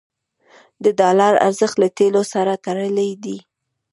د ډالر ارزښت له تیلو سره تړلی دی.